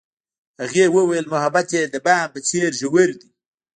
هغې وویل محبت یې د بام په څېر ژور دی.